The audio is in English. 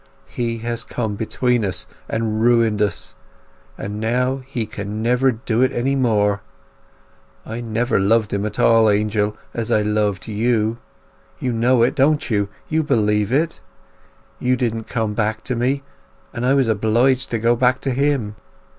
He has come between us and ruined us, and now he can never do it any more. I never loved him at all, Angel, as I loved you. You know it, don't you? You believe it? You didn't come back to me, and I was obliged to go back to him.